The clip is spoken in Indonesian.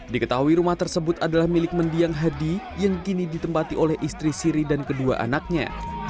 diketahui rumah tersebut adalah milik mendiang hadi yang kini ditempati oleh istri siri dan kedua anaknya